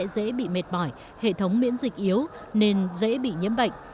dễ bị nhiễm bệnh